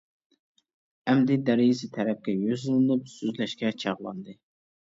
ئەمدى دېرىزە تەرەپكە يۈزلىنىپ سۆزلەشكە چاغلاندى.